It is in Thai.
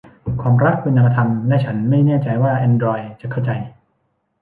ความรักเป็นนามธรรม และฉันไม่แน่ใจว่าแอนดรอยด์จะเข้าใจ